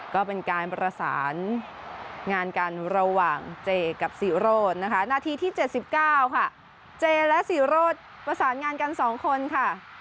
ก็เป็นการประสานงานกันระหว่างเจกับศรีโรธนะคะนาทีที่๗๙ค่ะเจและสีโรธประสานงานกัน๒คนค่ะ